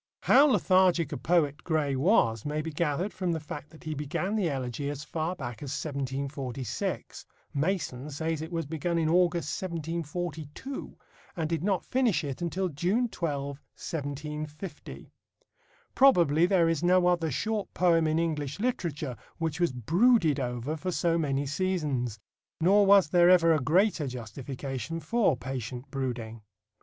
How lethargic a poet Gray was may be gathered from the fact that he began the Elegy as far back as 1746 Mason says it was begun in August, 1742 and did not finish it until June 12, 1750. Probably there is no other short poem in English literature which was brooded over for so many seasons. Nor was there ever a greater justification for patient brooding.